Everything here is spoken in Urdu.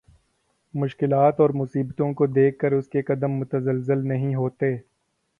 مشکلات اور مصیبتوں کو دیکھ کر اس کے قدم متزلزل نہیں ہوتے